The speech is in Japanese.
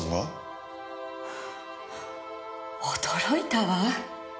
驚いたわ。